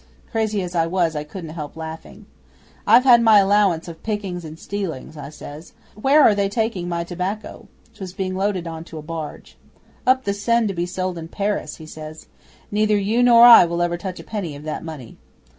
'Crazy as I was, I couldn't help laughing. '"I've had my allowance of pickings and stealings," I says. "Where are they taking my tobacco?" 'Twas being loaded on to a barge. '"Up the Seine to be sold in Paris," he says. "Neither you nor I will ever touch a penny of that money."